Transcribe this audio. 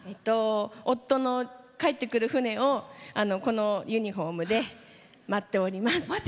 夫の帰ってくる船をこのユニフォームで待っております。